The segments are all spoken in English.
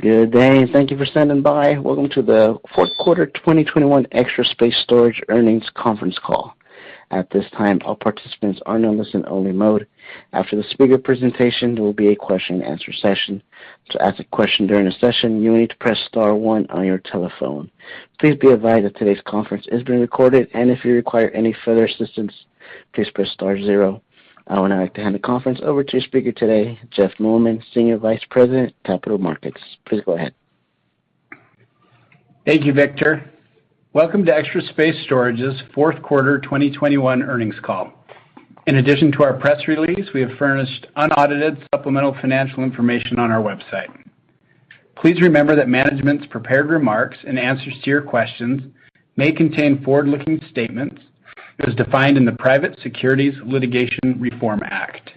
Good day, and thank you for standing by. Welcome to the fourth quarter 2021 Extra Space Storage earnings conference call. At this time, all participants are in listen only mode. After the speaker presentation, there will be a question-and-answer session. To ask a question during the session, you need to press star one on your telephone. Please be advised that today's conference is being recorded, and if you require any further assistance, please press star zero. I would now like to hand the conference over to speaker today, Jeff Norman, Senior Vice President, Capital Markets. Please go ahead. Thank you, Victor. Welcome to Extra Space Storage's fourth quarter 2021 earnings call. In addition to our press release, we have furnished unaudited supplemental financial information on our website. Please remember that management's prepared remarks and answers to your questions may contain forward-looking statements as defined in the Private Securities Litigation Reform Act.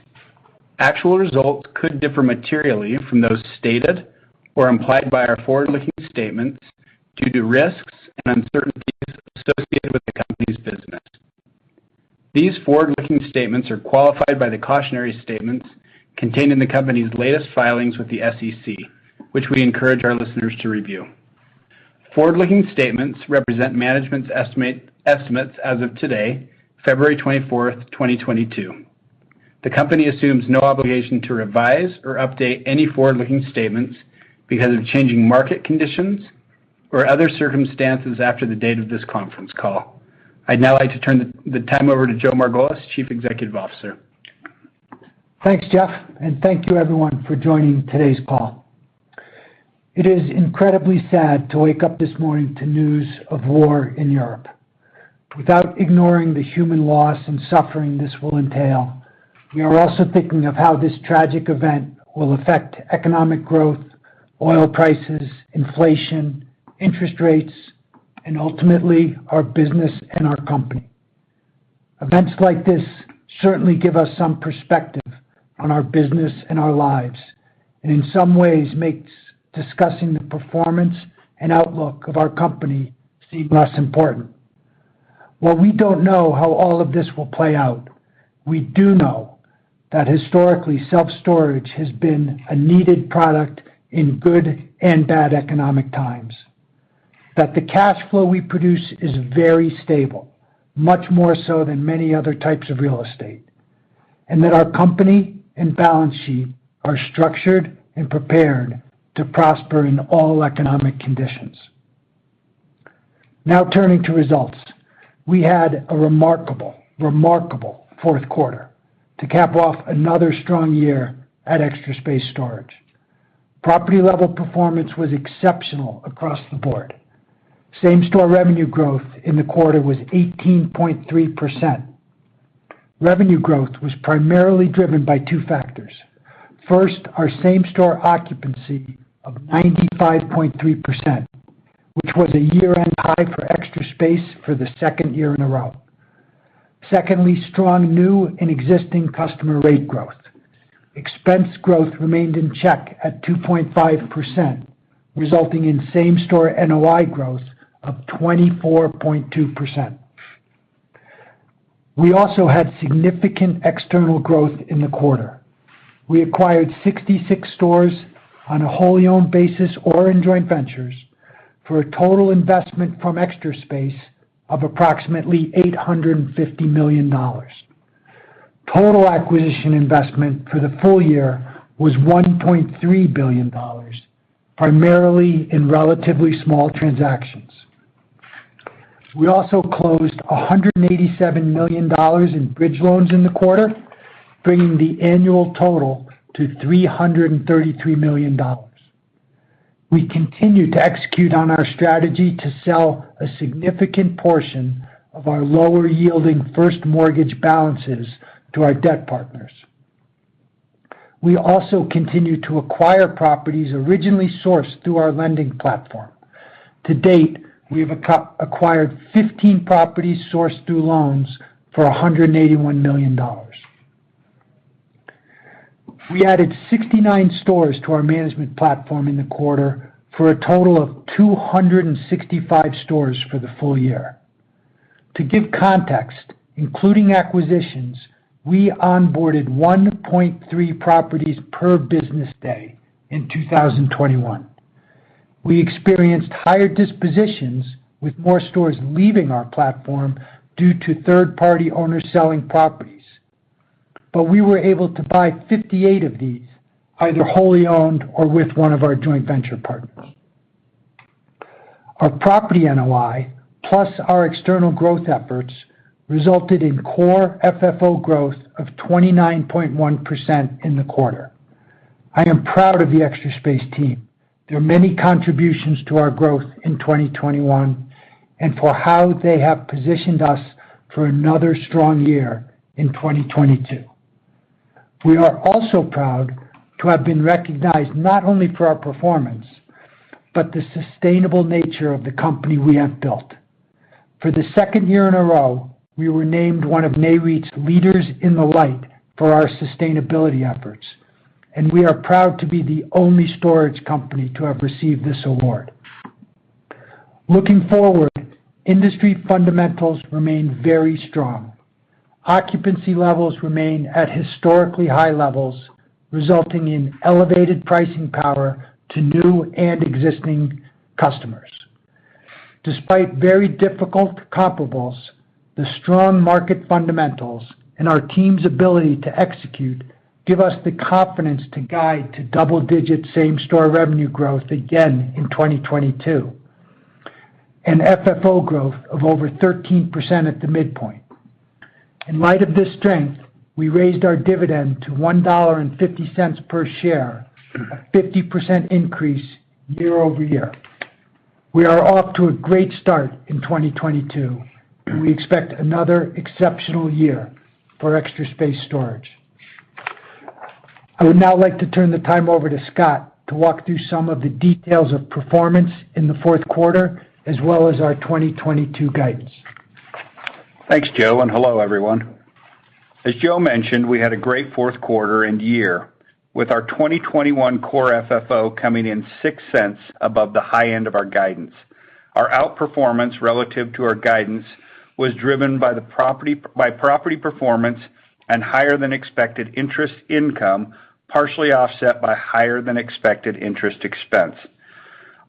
Actual results could differ materially from those stated or implied by our forward-looking statements due to risks and uncertainties associated with the company's business. These forward-looking statements are qualified by the cautionary statements contained in the company's latest filings with the SEC, which we encourage our listeners to review. Forward-looking statements represent management's estimates as of today, February 24, 2022. The company assumes no obligation to revise or update any forward-looking statements because of changing market conditions or other circumstances after the date of this conference call. I'd now like to turn the time over to Joe Margolis, Chief Executive Officer. Thanks, Jeff, and thank you everyone for joining today's call. It is incredibly sad to wake up this morning to news of war in Europe. Without ignoring the human loss and suffering this will entail, we are also thinking of how this tragic event will affect economic growth, oil prices, inflation, interest rates, and ultimately our business and our company. Events like this certainly give us some perspective on our business and our lives, and in some ways makes discussing the performance and outlook of our company seem less important. While we don't know how all of this will play out, we do know that historically, self-storage has been a needed product in good and bad economic times, that the cash flow we produce is very stable, much more so than many other types of real estate, and that our company and balance sheet are structured and prepared to prosper in all economic conditions. Now turning to results. We had a remarkable fourth quarter to cap off another strong year at Extra Space Storage. Property level performance was exceptional across the board. Same-store revenue growth in the quarter was 18.3%. Revenue growth was primarily driven by two factors. First, our same-store occupancy of 95.3%, which was a year-end high for Extra Space for the second year in a row. Secondly, strong new and existing customer rate growth. Expense growth remained in check at 2.5%, resulting in same-store NOI growth of 24.2%. We also had significant external growth in the quarter. We acquired 66 stores on a wholly owned basis or in joint ventures for a total investment from Extra Space of approximately $850 million. Total acquisition investment for the full year was $1.3 billion, primarily in relatively small transactions. We also closed $187 million in bridge loans in the quarter, bringing the annual total to $333 million. We continue to execute on our strategy to sell a significant portion of our lower-yielding first mortgage balances to our debt partners. We also continue to acquire properties originally sourced through our lending platform. To date, we have acquired 15 properties sourced through loans for $181 million. We added 69 stores to our management platform in the quarter for a total of 265 stores for the full year. To give context, including acquisitions, we onboarded 1.3 properties per business day in 2021. We experienced higher dispositions with more stores leaving our platform due to third-party owners selling properties, but we were able to buy 58 of these, either wholly owned or with one of our joint venture partners. Our property NOI, plus our external growth efforts, resulted in core FFO growth of 29.1% in the quarter. I am proud of the Extra Space team, their many contributions to our growth in 2021, and for how they have positioned us for another strong year in 2022. We are also proud to have been recognized not only for our performance, but the sustainable nature of the company we have built. For the second year in a row, we were named one of Nareit's Leader in the Light for our sustainability efforts, and we are proud to be the only storage company to have received this award. Looking forward, industry fundamentals remain very strong. Occupancy levels remain at historically high levels, resulting in elevated pricing power to new and existing customers. Despite very difficult comparables, the strong market fundamentals and our team's ability to execute give us the confidence to guide to double-digit same-store revenue growth again in 2022, and FFO growth of over 13% at the midpoint. In light of this strength, we raised our dividend to $1.50 per share, a 50% increase year-over-year. We are off to a great start in 2022, and we expect another exceptional year for Extra Space Storage. I would now like to turn the time over to Scott to walk through some of the details of performance in the fourth quarter, as well as our 2022 guidance. Thanks, Joe, and hello, everyone. As Joe mentioned, we had a great fourth quarter and year, with our 2021 core FFO coming in $0.06 above the high end of our guidance. Our outperformance relative to our guidance was driven by property performance and higher than expected interest income, partially offset by higher than expected interest expense.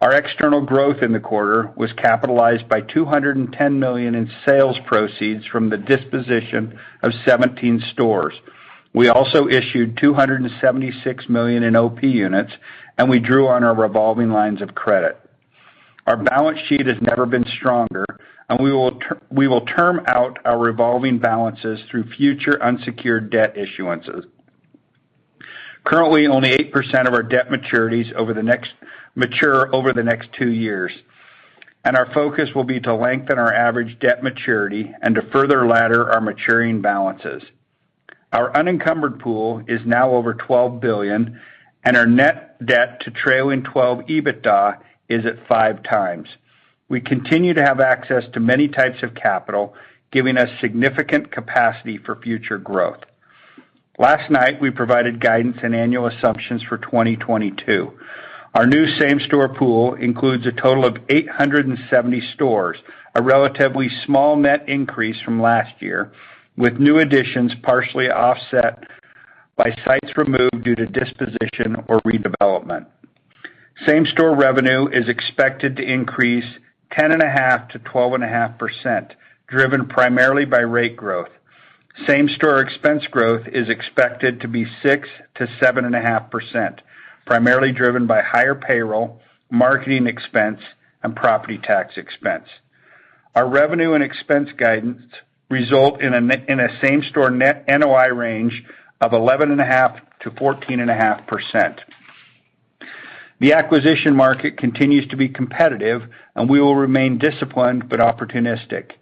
Our external growth in the quarter was capitalized by $210 million in sales proceeds from the disposition of 17 stores. We also issued $276 million in OP units, and we drew on our revolving lines of credit. Our balance sheet has never been stronger, and we will term out our revolving balances through future unsecured debt issuances. Currently, only 8% of our debt maturities mature over the next two years, and our focus will be to lengthen our average debt maturity and to further ladder our maturing balances. Our unencumbered pool is now over $12 billion, and our net debt to trailing twelve EBITDA is at 5x. We continue to have access to many types of capital, giving us significant capacity for future growth. Last night, we provided guidance and annual assumptions for 2022. Our new same-store pool includes a total of 870 stores, a relatively small net increase from last year, with new additions partially offset by sites removed due to disposition or redevelopment. Same-store revenue is expected to increase 10.5%-12.5%, driven primarily by rate growth. Same-store expense growth is expected to be 6%-7.5%, primarily driven by higher payroll, marketing expense, and property tax expense. Our revenue and expense guidance result in a same-store net NOI range of 11.5%-14.5%. The acquisition market continues to be competitive, and we will remain disciplined, but opportunistic.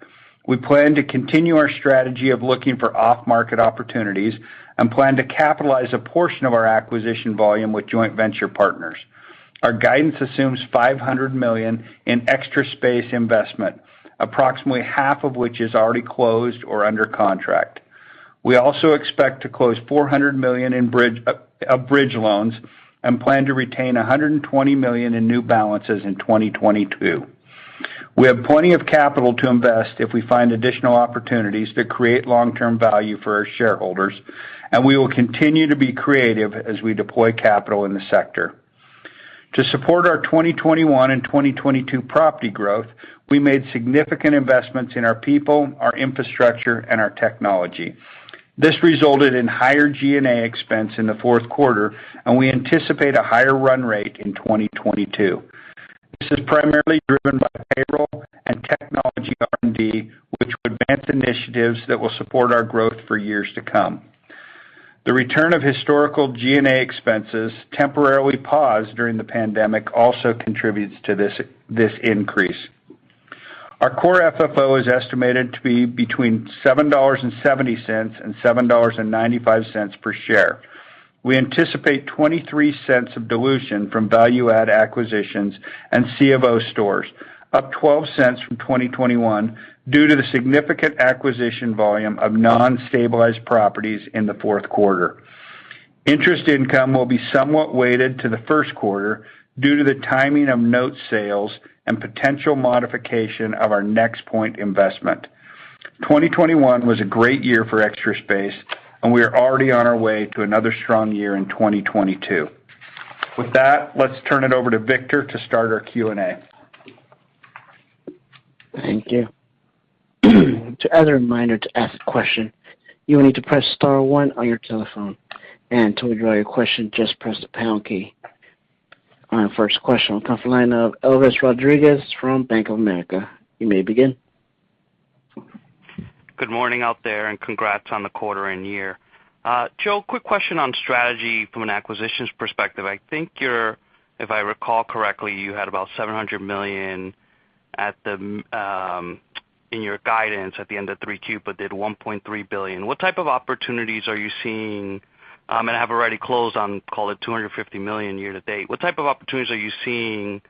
We plan to continue our strategy of looking for off-market opportunities and plan to capitalize a portion of our acquisition volume with joint venture partners. Our guidance assumes $500 million in Extra Space investment, approximately half of which is already closed or under contract. We also expect to close $400 million in bridge loans and plan to retain $120 million in new balances in 2022. We have plenty of capital to invest if we find additional opportunities that create long-term value for our shareholders, and we will continue to be creative as we deploy capital in the sector. To support our 2021 and 2022 property growth, we made significant investments in our people, our infrastructure, and our technology. This resulted in higher G&A expense in the fourth quarter, and we anticipate a higher run rate in 2022. This is primarily driven by payroll and technology R&D, which would advance initiatives that will support our growth for years to come. The return of historical G&A expenses temporarily paused during the pandemic also contributes to this increase. Our core FFO is estimated to be between $7.70 and $7.95 per share. We anticipate $0.23 of dilution from value add acquisitions and C of O stores, up $0.12 from 2021 due to the significant acquisition volume of non-stabilized properties in the fourth quarter. Interest income will be somewhat weighted to the first quarter due to the timing of note sales and potential modification of our NexPoint investment. 2021 was a great year for Extra Space, and we are already on our way to another strong year in 2022. With that, let's turn it over to Victor to start our Q&A. Thank you. One other reminder, to ask a question, you will need to press star one on your telephone, and to withdraw your question, just press the pound key. Our first question will come from the line of Elvis Rodriguez from Bank of America. You may begin. Good morning out there, and congrats on the quarter and year. Joe, quick question on strategy from an acquisitions perspective. I think you're, if I recall correctly, you had about $700 million at the, in your guidance at the end of 3Q, but did $1.3 billion. What type of opportunities are you seeing, and have already closed on, call it, $250 million year-to-date? What type of opportunities are you seeing,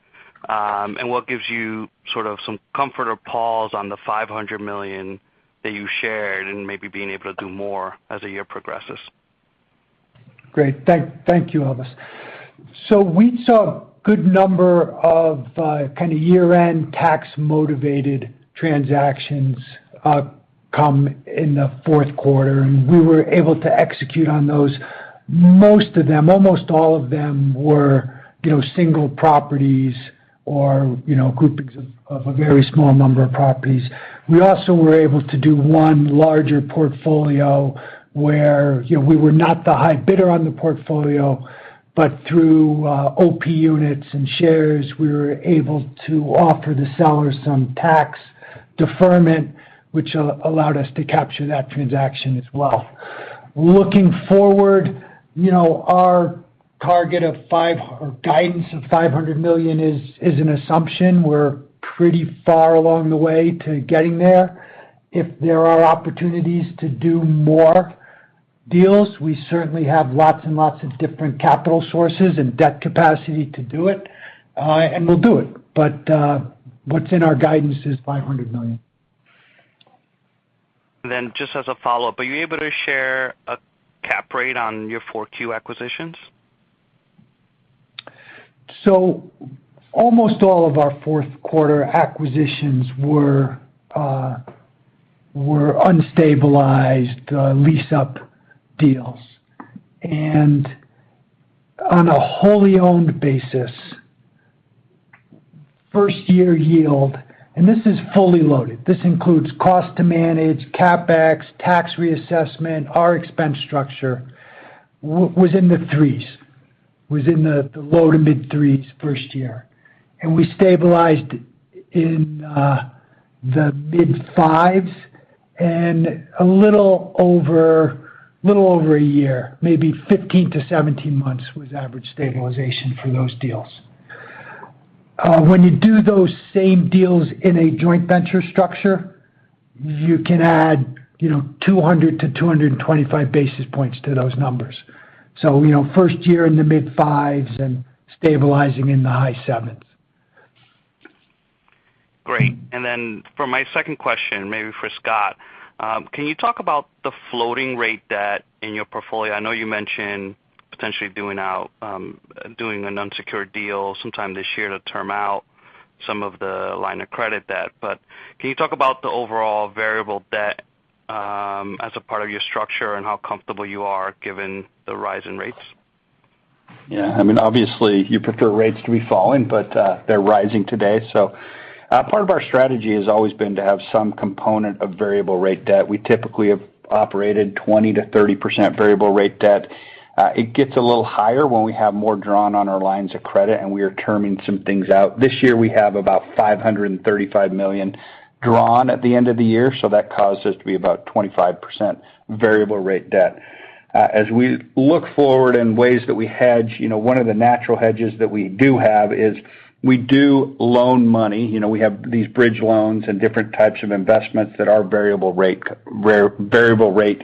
and what gives you sort of some comfort or pause on the $500 million that you shared and maybe being able to do more as the year progresses? Great. Thank you, Elvis. We saw a good number of kind of year-end tax-motivated transactions come in the fourth quarter, and we were able to execute on those. Most of them, almost all of them were, you know, single properties or, you know, groupings of a very small number of properties. We also were able to do one larger portfolio where, you know, we were not the high bidder on the portfolio, but through OP units and shares, we were able to offer the seller some tax deferment, which allowed us to capture that transaction as well. Looking forward, you know, our target of $500 million or guidance of $500 million is an assumption. We're pretty far along the way to getting there. If there are opportunities to do more deals, we certainly have lots and lots of different capital sources and debt capacity to do it, and we'll do it. What's in our guidance is $500 million. Just as a follow-up, are you able to share a cap rate on your 4Q acquisitions? Almost all of our fourth quarter acquisitions were unstabilized lease-up deals. On a wholly owned basis, first year yield, and this is fully loaded, this includes cost to manage, CapEx, tax reassessment, our expense structure, was in the low- to mid-3s first year. We stabilized in the mid-5s and a little over a year, maybe 15 to 17 months was average stabilization for those deals. When you do those same deals in a joint venture structure, you can add, you know, 200 to 225 basis points to those numbers. You know, first year in the mid-5s and stabilizing in the high 7s. Great. For my second question, maybe for Scott, can you talk about the floating rate debt in your portfolio? I know you mentioned potentially doing an unsecured deal sometime this year to term out some of the line of credit debt. Can you talk about the overall variable debt as a part of your structure and how comfortable you are given the rise in rates? Yeah. I mean, obviously you prefer rates to be falling, but they're rising today. Part of our strategy has always been to have some component of variable rate debt. We typically have operated 20%-30% variable rate debt. It gets a little higher when we have more drawn on our lines of credit, and we are terming some things out. This year we have about $535 million drawn at the end of the year, so that caused us to be about 25% variable rate debt. As we look forward in ways that we hedge, you know, one of the natural hedges that we do have is we do loan money. You know, we have these bridge loans and different types of investments that are variable rate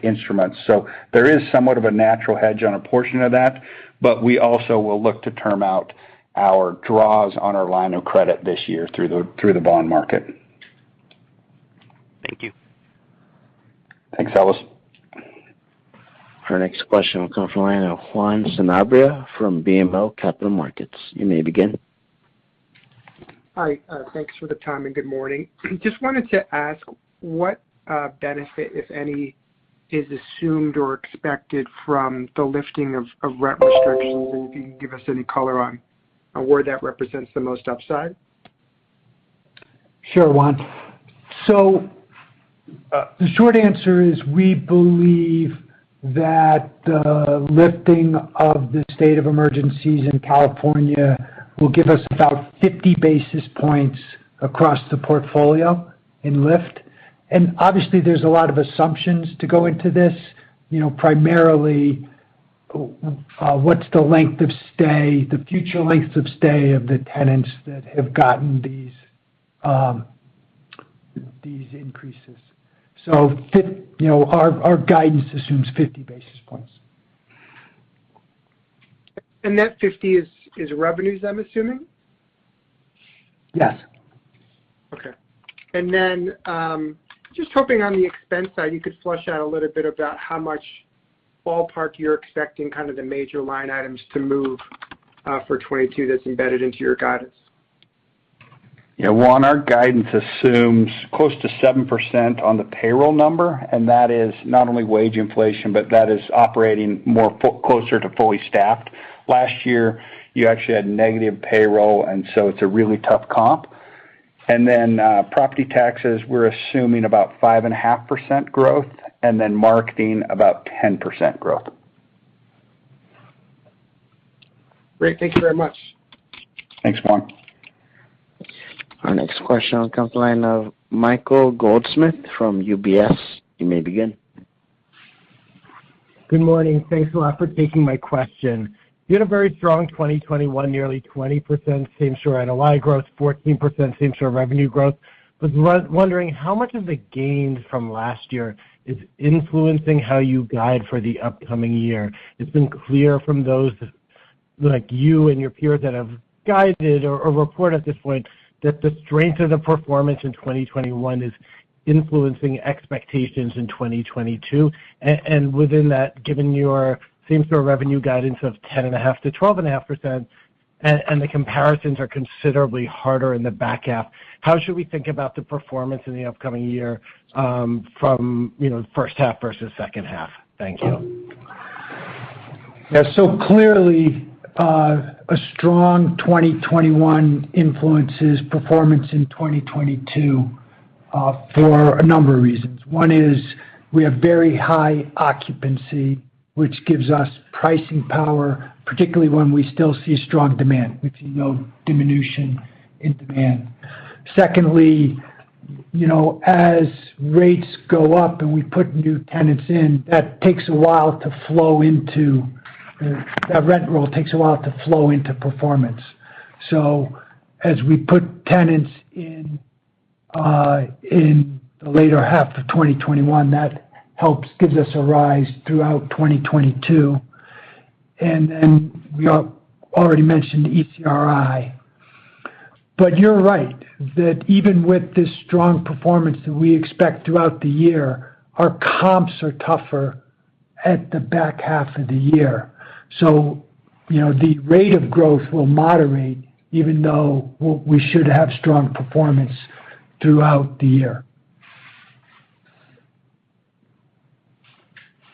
instruments. There is somewhat of a natural hedge on a portion of that, but we also will look to term out our draws on our line of credit this year through the bond market. Thank you. Thanks, Elvis. Our next question will come from the line of Juan Sanabria from BMO Capital Markets. You may begin. Hi, thanks for the time and good morning. Just wanted to ask what benefit, if any, is assumed or expected from the lifting of rent restrictions, and if you can give us any color on where that represents the most upside? Sure, Juan. The short answer is we believe that the lifting of the state of emergencies in California will give us about 50 basis points across the portfolio in lift. Obviously, there's a lot of assumptions to go into this, primarily, what's the length of stay, the future length of stay of the tenants that have gotten these increases. Our guidance assumes 50 basis points. That 50 is revenues, I'm assuming? Yes. Okay. Just hoping on the expense side, you could flesh out a little bit about how much ballpark you're expecting kind of the major line items to move, for 2022 that's embedded into your guidance? Yeah, Juan, our guidance assumes close to 7% on the payroll number, and that is not only wage inflation, but that is operating more closer to fully staffed. Last year, you actually had negative payroll, and so it's a really tough comp. Property taxes, we're assuming about 5.5% growth, and then marketing about 10% growth. Great. Thank you very much. Thanks, Juan. Our next question comes from the line of Michael Goldsmith from UBS. You may begin. Good morning. Thanks a lot for taking my question. You had a very strong 2021, nearly 20% same-store NOI growth, 14% same-store revenue growth. I was wondering how much of the gains from last year is influencing how you guide for the upcoming year. It's been clear from those like you and your peers that have guided or reported at this point that the strength of the performance in 2021 is influencing expectations in 2022. Within that, given your same-store revenue guidance of 10.5%-12.5%, and the comparisons are considerably harder in the back half, how should we think about the performance in the upcoming year, you know, from the first half versus second half? Thank you. Yeah. Clearly, a strong 2021 influences performance in 2022, for a number of reasons. One is we have very high occupancy, which gives us pricing power, particularly when we still see strong demand with no diminution in demand. Secondly, you know, as rates go up and we put new tenants in, that takes a while to flow into -- that rent roll takes a while to flow into performance. As we put tenants in the later half of 2021, that helps gives us a rise throughout 2022. And we already mentioned ECRI. You're right that even with this strong performance that we expect throughout the year, our comps are tougher at the back half of the year. You know, the rate of growth will moderate even though we should have strong performance throughout the year.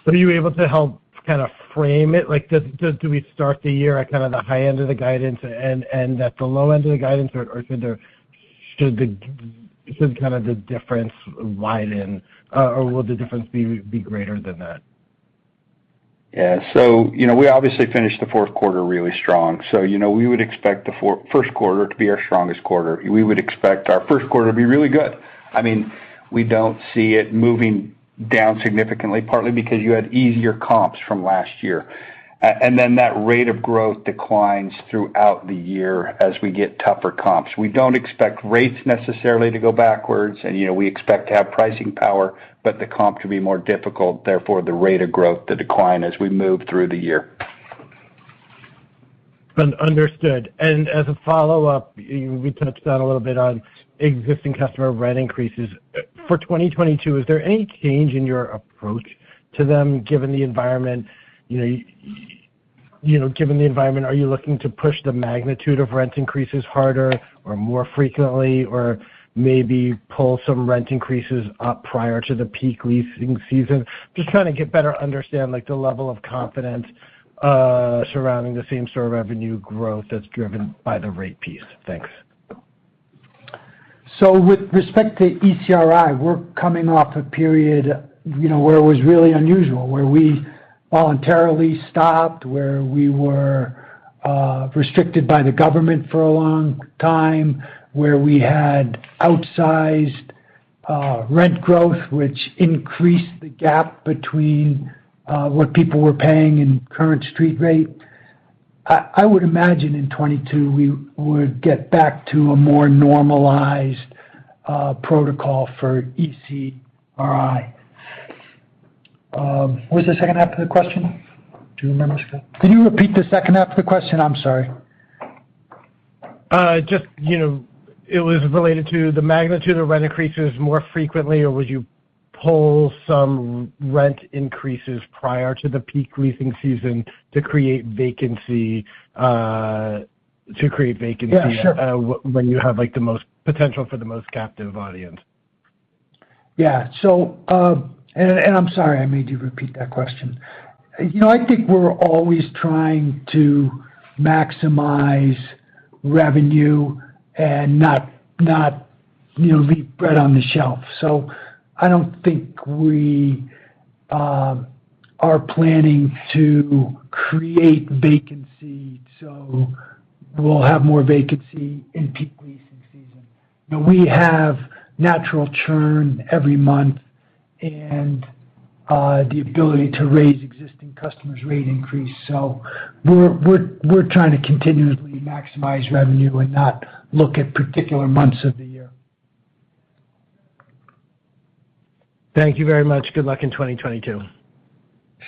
Are you able to help kind of frame it? Like, do we start the year at kind of the high end of the guidance and at the low end of the guidance, or should kind of the difference widen, or will the difference be greater than that? Yeah. You know, we obviously finished the fourth quarter really strong. You know, we would expect the first quarter to be our strongest quarter. We would expect our first quarter to be really good. I mean, we don't see it moving down significantly, partly because you had easier comps from last year. And then, that rate of growth declines throughout the year as we get tougher comps. We don't expect rates necessarily to go backwards and, you know, we expect to have pricing power, but the comp could be more difficult, therefore the rate of growth to decline as we move through the year. Understood. As a follow-up, you know, we touched on a little bit on existing customer rent increases. For 2022, is there any change in your approach to them given the environment? You know, given the environment, are you looking to push the magnitude of rent increases harder or more frequently or maybe pull some rent increases up prior to the peak leasing season? Just trying to get a better understanding, like, the level of confidence surrounding the same sort of revenue growth that's driven by the rate piece. Thanks. With respect to ECRI, we're coming off a period, you know, where it was really unusual, where we voluntarily stopped, where we were restricted by the government for a long time, where we had outsized rent growth, which increased the gap between what people were paying in current street rate. I would imagine in 2022, we would get back to a more normalized protocol for ECRI. What's the second half of the question? Do you remember, Scott? Can you repeat the second half of the question? I'm sorry. Just, you know, it was related to the magnitude of rent increases more frequently, or would you pull some rent increases prior to the peak leasing season to create vacancy? Yeah, sure. when you have, like, the most, potential for the most captive audience. Yeah. I'm sorry I made you repeat that question. You know, I think we're always trying to maximize revenue and not, you know, leave bread on the shelf. I don't think we are planning to create vacancy, so we'll have more vacancy in peak leasing season. You know, we have natural churn every month and the ability to raise existing customers' rate increase. We're trying to continuously maximize revenue and not look at particular months of the year. Thank you very much. Good luck in 2022.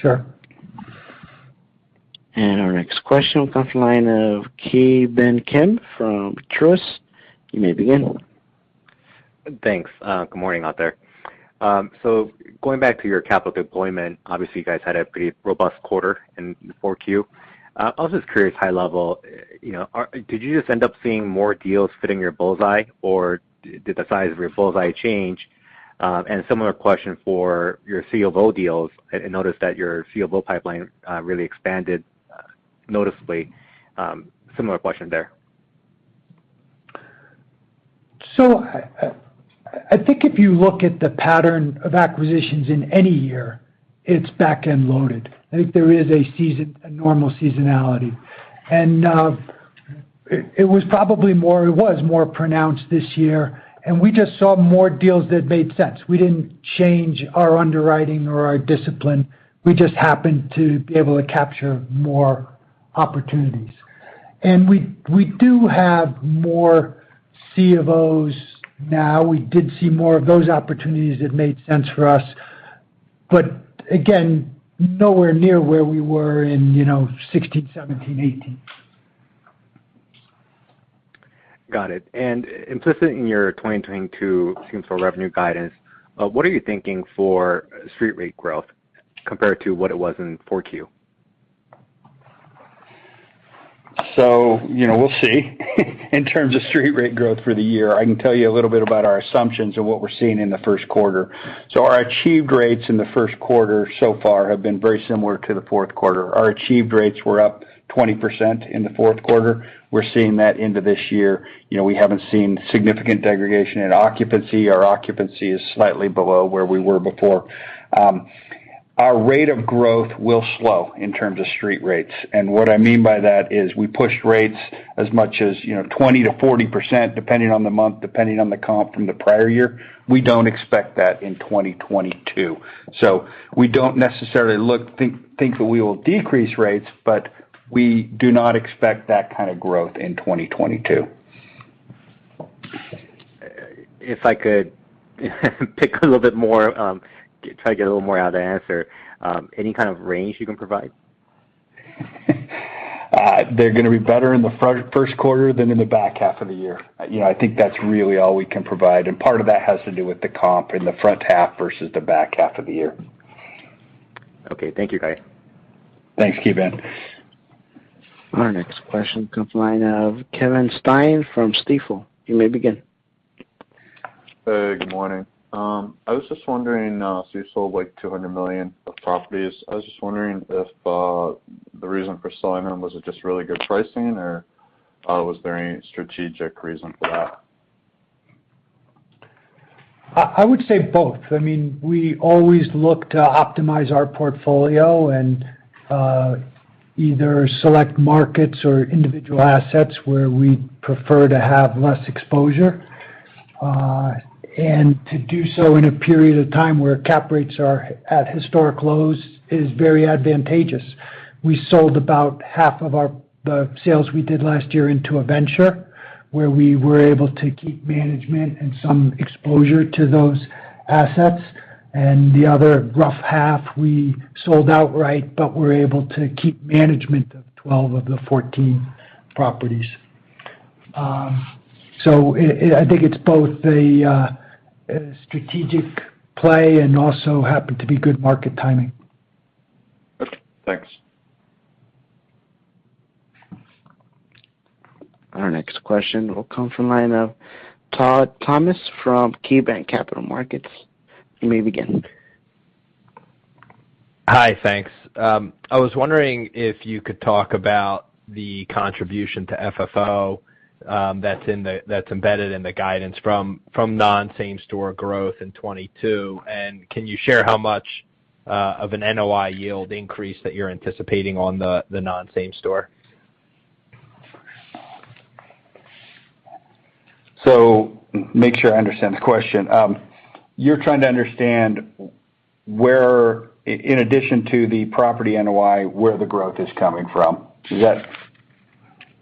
Sure. Our next question comes from the line of Ki Bin Kim from Truist. You may begin. Thanks. Good morning out there. Going back to your capital deployment, obviously you guys had a pretty robust quarter in the 4Q. I was just curious high level, you know, did you just end up seeing more deals fitting your bull's-eye, or did the size of your bull's-eye change? A similar question for your C of O deals. I noticed that your C of O pipeline really expanded noticeably. Similar question there. I think if you look at the pattern of acquisitions in any year, it's back-end loaded. I think there is a normal seasonality. It was probably more pronounced this year, and we just saw more deals that made sense. We didn't change our underwriting or our discipline. We just happened to be able to capture more opportunities. We do have more C of Os now. We did see more of those opportunities that made sense for us. But again, nowhere near where we were in, you know, 2016, 2017, 2018. Got it. Implicit in your 2022 same-store revenue guidance, what are you thinking for street rate growth compared to what it was in 4Q? You know, we'll see. In terms of street rate growth for the year, I can tell you a little bit about our assumptions and what we're seeing in the first quarter. Our achieved rates in the first quarter so far have been very similar to the fourth quarter. Our achieved rates were up 20% in the fourth quarter. We're seeing that into this year. You know, we haven't seen significant degradation in occupancy. Our occupancy is slightly below where we were before. Our rate of growth will slow in terms of street rates. What I mean by that is we pushed rates as much as, you know, 20%-40%, depending on the month, depending on the comp from the prior year. We don't expect that in 2022. We don't necessarily think that we will decrease rates, but we do not expect that kind of growth in 2022. If I could pick a little bit more, try to get a little more out of the answer. Any kind of range you can provide? They're gonna be better in the first quarter than in the back half of the year. You know, I think that's really all we can provide, and part of that has to do with the comp in the front half versus the back half of the year. Okay. Thank you, guy. Thanks, Ki Bin. Our next question comes from the line of Kevin Stein from Stifel. You may begin. Hey, good morning. I was just wondering, so you sold like $200 million of properties. I was just wondering if the reason for selling them was just really good pricing, or was there any strategic reason for that? I would say both. I mean, we always look to optimize our portfolio and either select markets or individual assets where we prefer to have less exposure. To do so in a period of time where cap rates are at historic lows is very advantageous. We sold about half of the sales we did last year into a venture where we were able to keep management and some exposure to those assets. The other rough half we sold outright, but we were able to keep management of 12 of the 14 properties. I think it's both a strategic play and also happened to be good market timing. Okay. Thanks. Our next question will come from the line of Todd Thomas from KeyBanc Capital Markets. You may begin. Hi. Thanks. I was wondering if you could talk about the contribution to FFO that's embedded in the guidance from non-same-store growth in 2022. Can you share how much of an NOI yield increase that you're anticipating on the non-same-store? Make sure I understand the question. You're trying to understand where, in addition to the property NOI, where the growth is coming from. Is that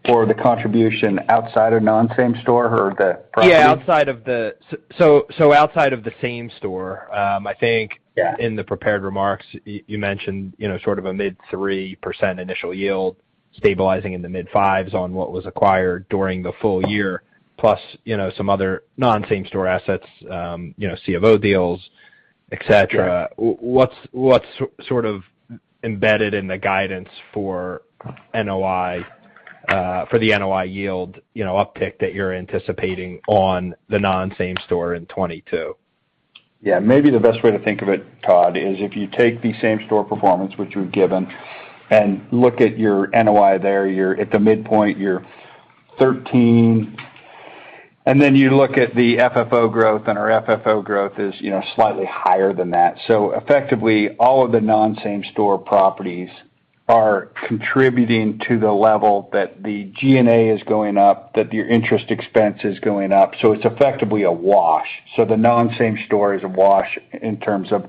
for the contribution outside of non-same store or the property? Outside of the same store, I think- Yeah... in the prepared remarks, you mentioned, you know, sort of a mid-3% initial yield stabilizing in the mid-5% on what was acquired during the full year, plus, you know, some other non-same store assets, you know, C of O deals, et cetera. Yeah. What's sort of embedded in the guidance for NOI, for the NOI yield, you know, uptick that you're anticipating on the non-same store in 2022? Yeah. Maybe the best way to think of it, Todd, is if you take the same store performance which we've given and look at your NOI there, you're at the midpoint, you're 13%. Then you look at the FFO growth, and our FFO growth is, you know, slightly higher than that. Effectively, all of the non-same store properties are contributing to the level that the G&A is going up, that your interest expense is going up, so it's effectively a wash. The non-same store is a wash in terms of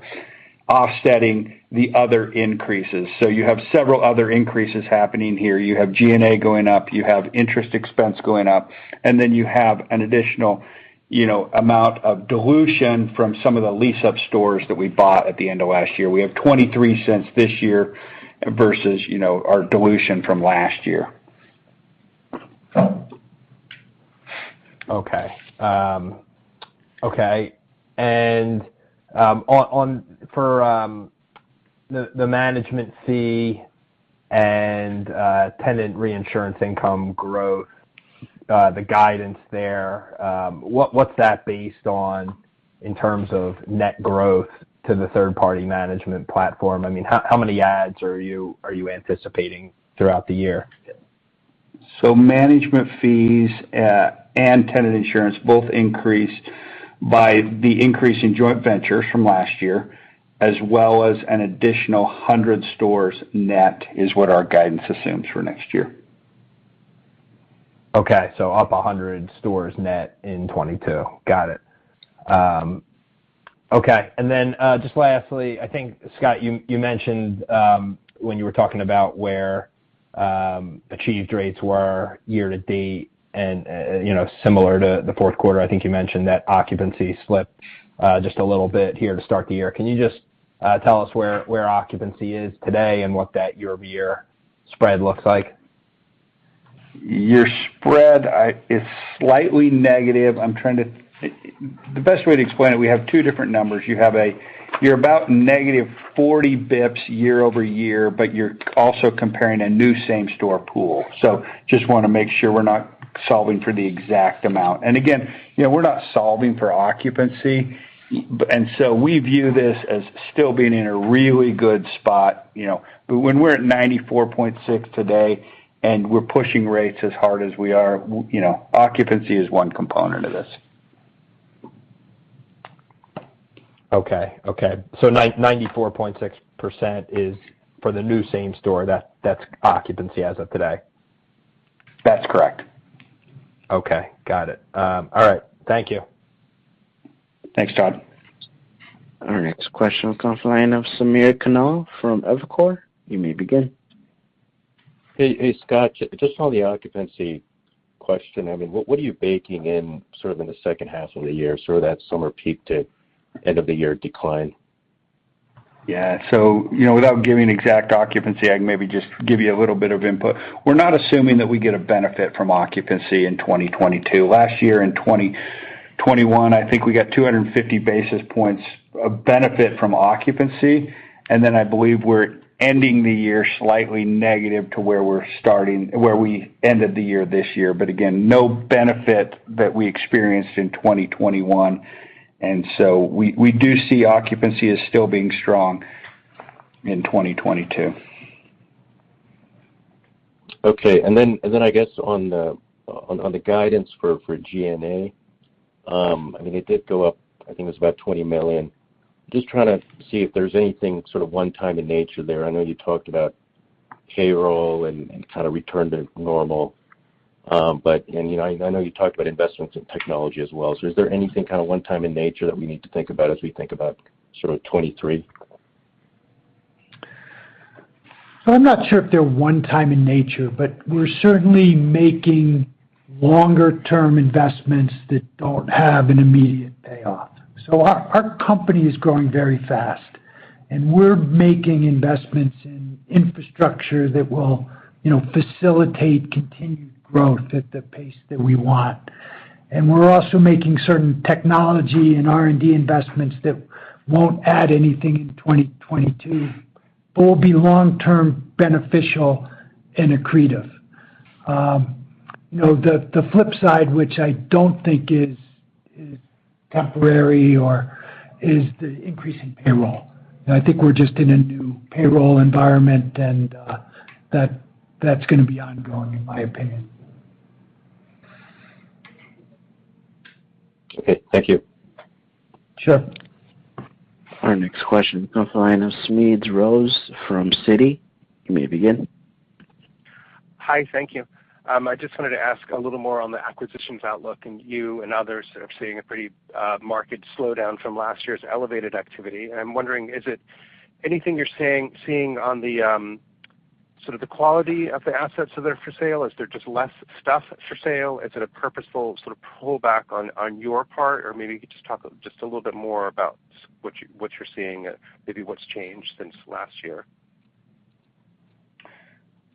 offsetting the other increases. You have several other increases happening here. You have G&A going up, you have interest expense going up, and then you have an additional, you know, amount of dilution from some of the lease-up stores that we bought at the end of last year. We have $0.23 this year versus, you know, our dilution from last year. Okay. Okay. For the management fee and tenant reinsurance income growth, the guidance there, what's that based on in terms of net growth to the third-party management platform? I mean, how many adds are you anticipating throughout the year? Management fees and tenant insurance both increased by the increase in joint ventures from last year, as well as an additional 100 stores net, is what our guidance assumes for next year. Okay. Up 100 stores net in 2022. Got it. Okay. Then just lastly, I think, Scott, you mentioned when you were talking about where achieved rates were year-to-date and, you know, similar to the fourth quarter. I think you mentioned that occupancy slipped just a little bit here to start the year. Can you just tell us where occupancy is today and what that year-over-year spread looks like? Your spread is slightly negative. The best way to explain it, we have two different numbers. You're about negative 40 basis points year-over-year, but you're also comparing a new same-store pool. Just wanna make sure we're not solving for the exact amount. Again, you know, we're not solving for occupancy. We view this as still being in a really good spot, you know. When we're at 94.6 today and we're pushing rates as hard as we are, you know, occupancy is one component of this. Okay. 94.6% is for the new same store, that's occupancy as of today? That's correct. Okay, got it. All right. Thank you. Thanks, Todd. Our next question comes from the line of Samir Khanal from Evercore. You may begin. Hey. Hey, Scott, just on the occupancy question. I mean, what are you baking in, sort of in the second half of the year, sort of that summer peak to end of the year decline? Yeah. You know, without giving exact occupancy, I can maybe just give you a little bit of input. We're not assuming that we get a benefit from occupancy in 2022. Last year in 2021, I think we got 250 basis points of benefit from occupancy and then I believe, we're ending the year slightly negative to where we ended the year this year, but again no benefit that we experienced in 2021. We do see occupancy as still being strong in 2022. Okay. I guess on the guidance for G&A. I mean, it did go up, I think it was about $20 million. Just trying to see if there's anything sort of one-time in nature there. I know you talked about payroll and kind of return to normal. You know, I know you talked about investments in technology as well. Is there anything kind of one-time in nature that we need to think about as we think about sort of 2023? I'm not sure if they're one time in nature, but we're certainly making longer term investments that don't have an immediate payoff. Our company is growing very fast, and we're making investments in infrastructure that will, you know, facilitate continued growth at the pace that we want. And we're also making certain technology and R&D investments that won't add anything in 2022, but will be long-term beneficial and accretive. You know, the flip side, which I don't think is temporary or is the increase in payroll. I think we're just in a new payroll environment and, that's gonna be ongoing in my opinion. Okay. Thank you. Sure. Our next question comes from the line of Smedes Rose from Citi. You may begin. Hi. Thank you. I just wanted to ask a little more on the acquisitions outlook, and you and others are seeing a pretty market slowdown from last year's elevated activity. I'm wondering, is it anything you're seeing on the sort of the quality of the assets that are for sale? Is there just less stuff for sale? Is it a purposeful sort of pullback on your part? Or maybe you could just talk a little bit more about what you're seeing and maybe what's changed since last year.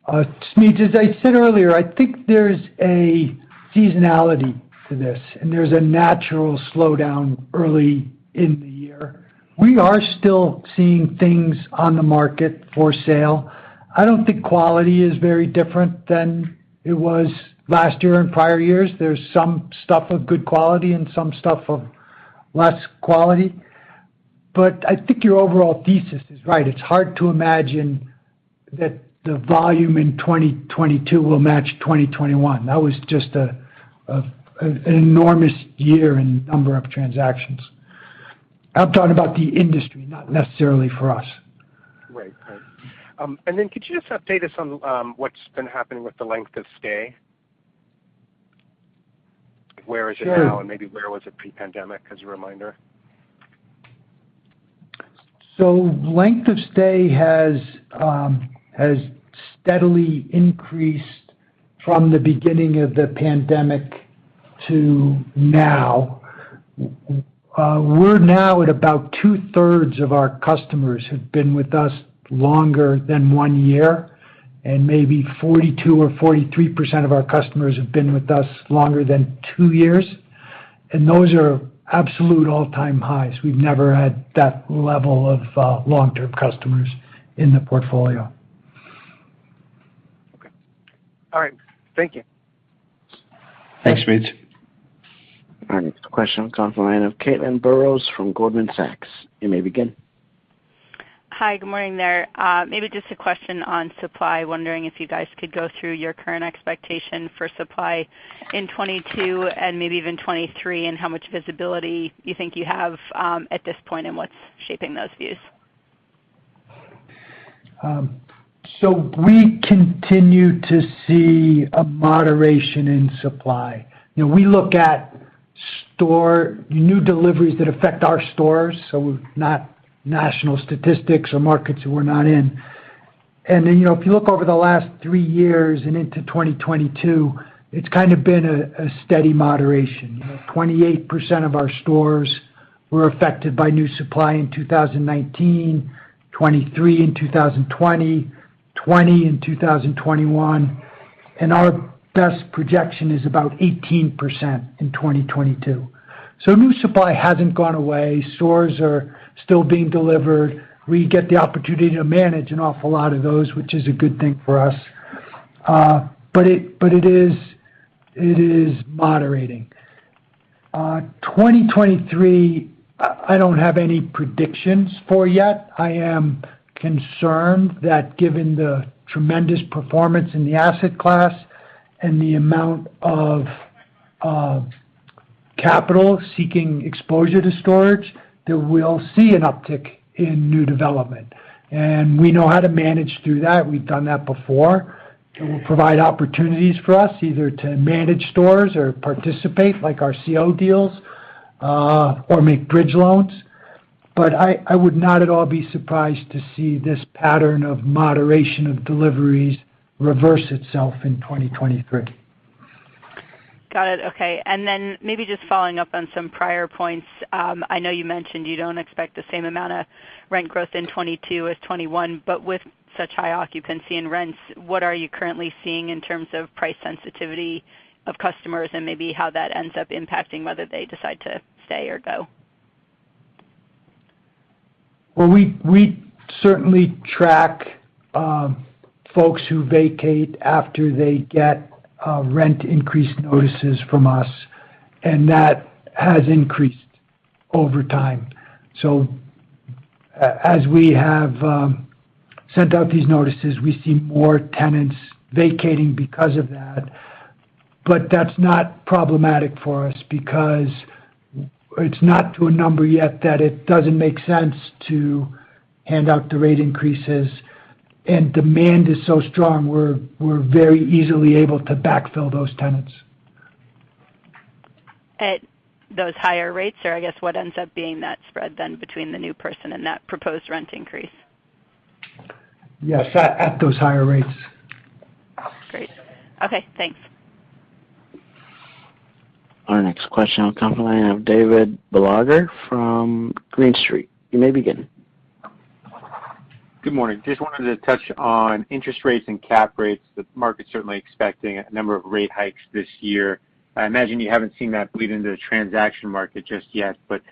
Smedes, as I said earlier, I think there's a seasonality to this and there's a natural slowdown early in the year. We are still seeing things on the market for sale. I don't think quality is very different than it was last year and prior years. There's some stuff of good quality and some stuff of less quality, but I think your overall thesis is right. It's hard to imagine that the volume in 2022 will match 2021. That was just an enormous year in number of transactions. I'm talking about the industry, not necessarily for us. Right. Could you just update us on what's been happening with the length of stay? Where is it now, and maybe where was it pre-pandemic as a reminder? Length of stay has steadily increased from the beginning of the pandemic to now. We're now at about 2/3 of our customers have been with us longer than one year, and maybe 42% or 43% of our customers have been with us longer than two years. Those are absolute all-time highs. We've never had that level of long-term customers in the portfolio. Okay. All right. Thank you. Thanks, Smedes. Our next question comes from the line of Caitlin Burrows from Goldman Sachs. You may begin. Hi, good morning there. Maybe just a question on supply. Wondering if you guys could go through your current expectation for supply in 2022 and maybe even 2023, and how much visibility you think you have at this point and what's shaping those views. We continue to see a moderation in supply. You know, we look at new deliveries that affect our stores, so not national statistics or markets that we're not in. You know, if you look over the last three years and into 2022, it's kind of been a steady moderation. 28% of our stores were affected by new supply in 2019, 23% in 2020, 20% in 2021, and our best projection is about 18% in 2022. New supply hasn't gone away. Stores are still being delivered. We get the opportunity to manage an awful lot of those, which is a good thing for us. But it is moderating. 2023, I don't have any predictions for yet. I am concerned that given the tremendous performance in the asset class and the amount of capital seeking exposure to storage, that we'll see an uptick in new development. We know how to manage through that. We've done that before. It will provide opportunities for us either to manage stores or participate like our C of O deals, or make bridge loans. I would not at all be surprised to see this pattern of moderation of deliveries reverse itself in 2023. Got it. Okay. Maybe just following up on some prior points. I know you mentioned you don't expect the same amount of rent growth in 2022 as 2021, but with such high occupancy and rents, what are you currently seeing in terms of price sensitivity of customers and maybe how that ends up impacting whether they decide to stay or go? Well, we certainly track folks who vacate after they get rent increase notices from us, and that has increased over time. As we have sent out these notices, we see more tenants vacating because of that. That's not problematic for us because it's not to a number yet that it doesn't make sense to hand out the rate increases, and demand is so strong, we're very easily able to backfill those tenants. At those higher rates, or I guess what ends up being that spread then between the new person and that proposed rent increase? Yes, at those higher rates. Great. Okay, thanks. Our next question will come from the line of David Balaguer from Green Street. You may begin. Good morning. Just wanted to touch on interest rates and cap rates. The market's certainly expecting a number of rate hikes this year. I imagine you haven't seen that bleed into the transaction market just yet, but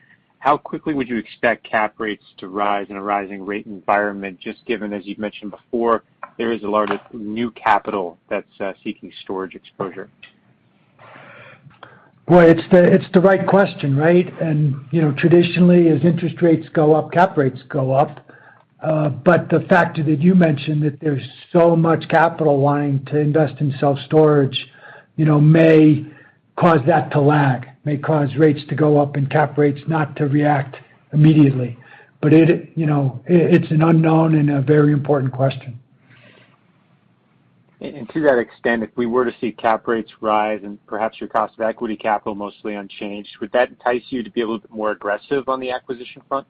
how quickly would you expect cap rates to rise in a rising rate environment just given, as you've mentioned before, there is a lot of new capital that's seeking storage exposure? Well, it's the right question, right? You know, traditionally, as interest rates go up, cap rates go up. But the factor that you mentioned that there's so much capital lying to invest in self-storage, you know, may cause that to lag, may cause rates to go up and cap rates not to react immediately. But, you know, it's an unknown and a very important question. To that extent, if we were to see cap rates rise and perhaps your cost of equity capital mostly unchanged, would that entice you to be a little bit more aggressive on the acquisition front?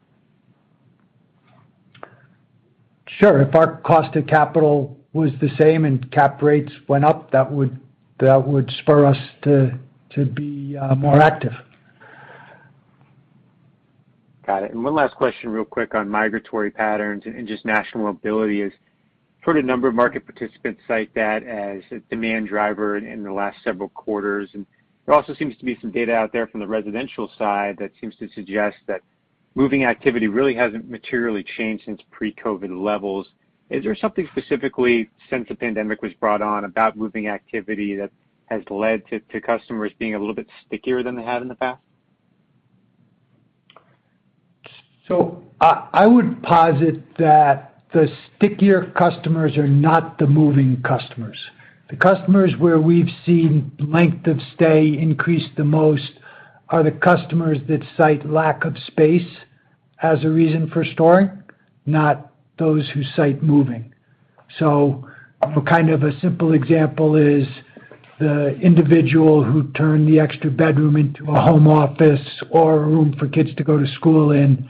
Sure. If our cost of capital was the same and cap rates went up, that would spur us to be more active. Got it. One last question real quick on migratory patterns and just national mobility. Heard a number of market participants cite that as a demand driver in the last several quarters. There also seems to be some data out there from the residential side that seems to suggest that moving activity really hasn't materially changed since pre-COVID levels. Is there something specifically since the pandemic was brought on about moving activity that has led to customers being a little bit stickier than they have in the past? I would posit that the stickier customers are not the moving customers. The customers where we've seen length of stay increase the most are the customers that cite lack of space as a reason for storing, not those who cite moving. For kind of a simple example is the individual who turned the extra bedroom into a home office or a room for kids to go to school in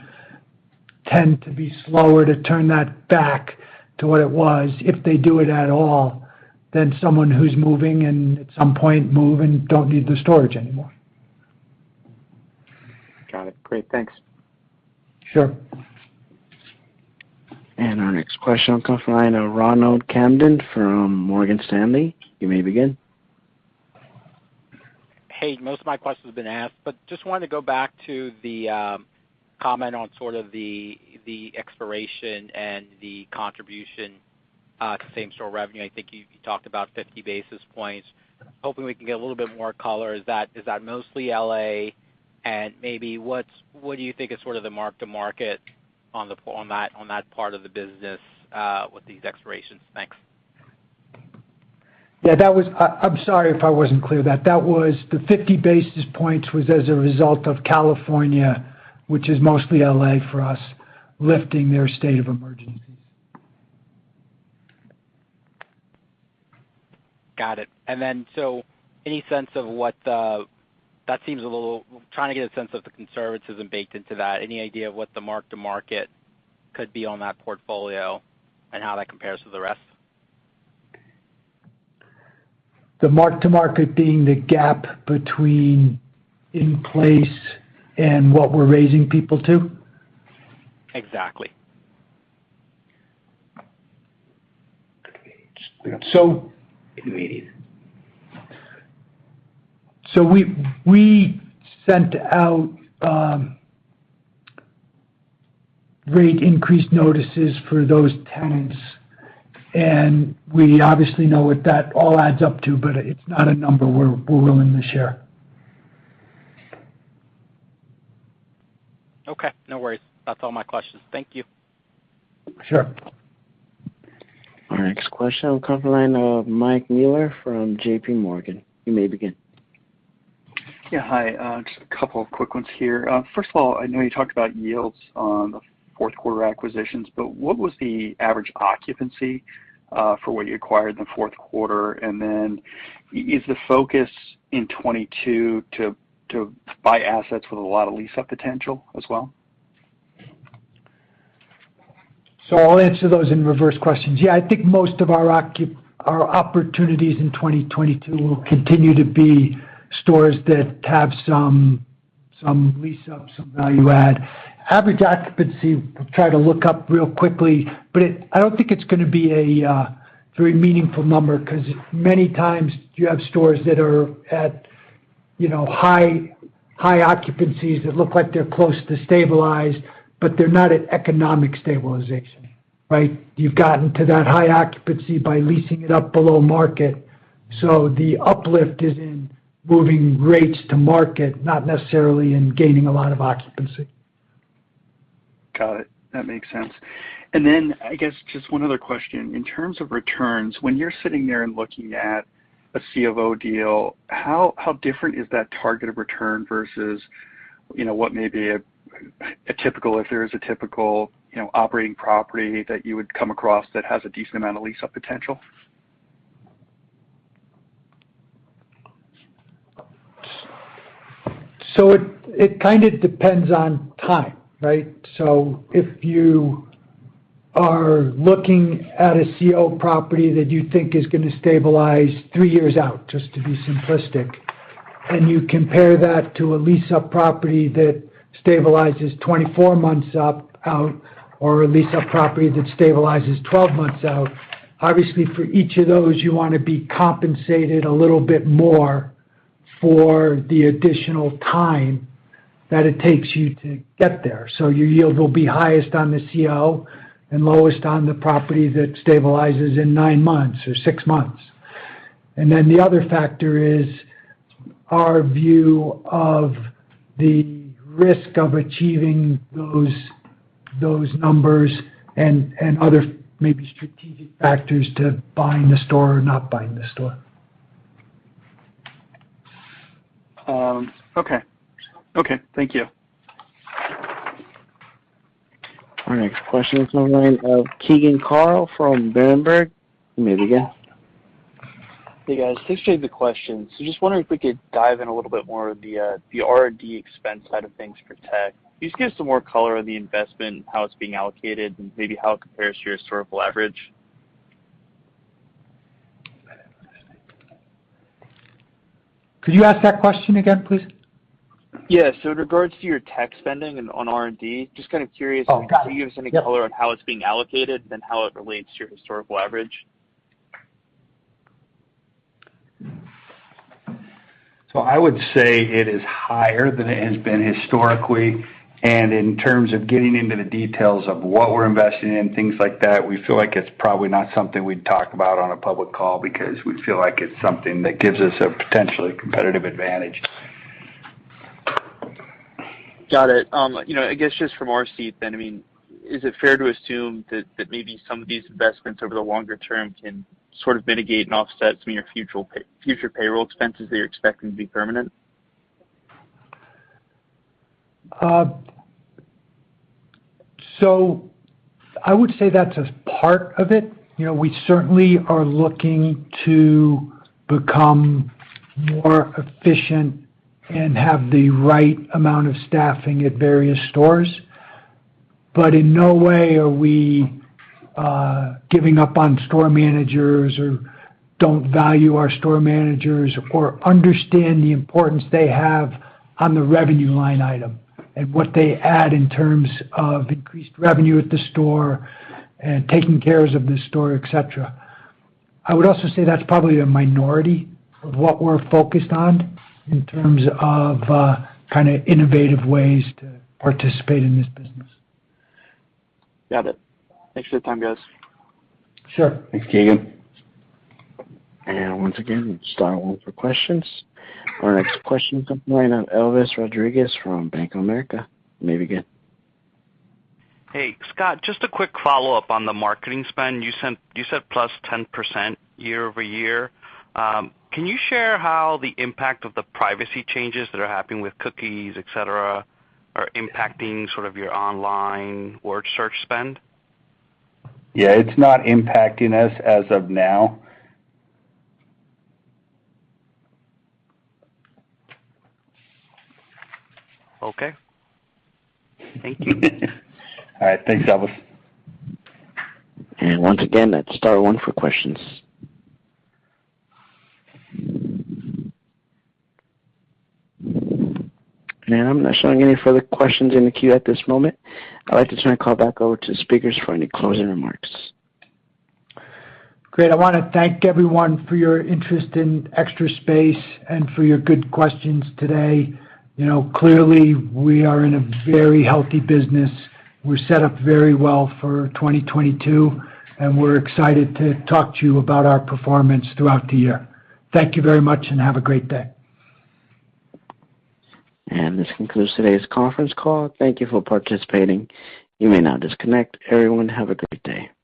tend to be slower to turn that back to what it was, if they do it at all, than someone who's moving and at some point move and don't need the storage anymore. Got it. Great. Thanks. Sure. Our next question will come from the line of Ronald Kamdem from Morgan Stanley. You may begin. Hey, most of my questions have been asked, but just wanted to go back to the comment on sort of the expiration and the contribution to same-store revenue. I think you talked about 50 basis points. Hoping we can get a little bit more color. Is that mostly L.A.? Maybe what do you think is sort of the mark to market on that part of the business with these expirations? Thanks. I'm sorry if I wasn't clear. That was the 50 basis points as a result of California, which is mostly L.A. for us, lifting their state of emergency. Got it. And then so any sense of what -- that seems a little -- trying to get a sense of the conservatism baked into that. Any idea of what the mark-to-market could be on that portfolio and how that compares to the rest? The mark-to-market being the gap between in-place and what we're raising people to? Exactly. We sent out rate increase notices for those tenants, and we obviously know what that all adds up to, but it's not a number we're willing to share. Okay, no worries. That's all my questions. Thank you. Sure. Our next question comes from the line of Mike Mueller from JPMorgan. You may begin. Yeah, hi. Just a couple of quick ones here. First of all, I know you talked about yields on the fourth quarter acquisitions, but what was the average occupancy for what you acquired in the fourth quarter? And then is the focus in 2022 to buy assets with a lot of lease up potential as well? I'll answer those questions in reverse. Yeah, I think most of our opportunities in 2022 will continue to be stores that have some lease up, some value add. Average occupancy, I'll try to look up real quickly, but I don't think it's gonna be a very meaningful number because many times you have stores that are at, you know, high occupancies that look like they're close to stabilized, but they're not at economic stabilization, right? You've gotten to that high occupancy by leasing it up below market. The uplift is in moving rates to market, not necessarily in gaining a lot of occupancy. Got it. That makes sense. Then, I guess just one other question. In terms of returns, when you're sitting there and looking at a C of O deal, how different is that target of return versus, you know, what may be a typical, if there is a typical, you know, operating property that you would come across that has a decent amount of lease-up potential? It kind of depends on time, right? If you are looking at a C of O property that you think is gonna stabilize three years out, just to be simplistic, and you compare that to a lease-up property that stabilizes 24 months out, or a lease-up property that stabilizes 12 months out, obviously for each of those, you wanna be compensated a little bit more for the additional time that it takes you to get there. Your yield will be highest on the C of O and lowest on the property that stabilizes in nine months or six months. The other factor is our view of the risk of achieving those numbers and other maybe strategic factors to buying the store or not buying the store. Okay. Thank you. Our next question is on the line of Keegan Carl from Berenberg. You may begin. Hey, guys. Thanks for the questions. Just wondering if we could dive in a little bit more of the the R&D expense side of things for tech. Can you just give us some more color on the investment and how it's being allocated, and maybe how it compares to your historical average? Could you ask that question again, please? Yeah. In regards to your tech spending on R&D, just kind of curious? Oh, got it. Can you give us any color on how it's being allocated and how it relates to your historical average? I would say it is higher than it has been historically. In terms of getting into the details of what we're investing in, things like that, we feel like it's probably not something we'd talk about on a public call because we feel like it's something that gives us a potentially competitive advantage. Got it. You know, I guess just from our seat then, I mean, is it fair to assume that maybe some of these investments over the longer term can sort of mitigate and offset some of your future payroll expenses that you're expecting to be permanent? I would say that's a part of it. You know, we certainly are looking to become more efficient and have the right amount of staffing at various stores. In no way are we giving up on store managers or don't value our store managers or understand the importance they have on the revenue line item and what they add in terms of increased revenue at the store and taking care of the store, et cetera. I would also say that's probably a minority of what we're focused on in terms of kind of innovative ways to participate in this business. Got it. Thanks for your time, guys. Sure. Thanks, Keegan. Once again, star one for questions. Our next question comes from the line of Elvis Rodriguez from Bank of America. You may begin. Hey, Scott, just a quick follow-up on the marketing spend. You said plus 10% year-over-year. Can you share how the impact of the privacy changes that are happening with cookies, et cetera, are impacting sort of your online word search spend? Yeah, it's not impacting us as of now. Okay. Thank you. All right, thanks, Elvis. Once again, that's star one for questions. I'm not showing any further questions in the queue at this moment. I'd like to turn the call back over to speakers for any closing remarks. Great. I wanna thank everyone for your interest in Extra Space and for your good questions today. You know, clearly we are in a very healthy business. We're set up very well for 2022, and we're excited to talk to you about our performance throughout the year. Thank you very much and have a great day. This concludes today's conference call. Thank you for participating. You may now disconnect. Everyone, have a great day.